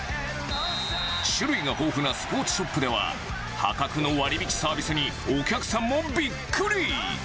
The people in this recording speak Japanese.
種類が豊富なスポーツショップでは、破格の割引サービスに、お客さんもびっくり。